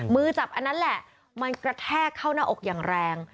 มือจับอันนั้นแหละมันกระแทกเข้าหน้าอกอย่างแรง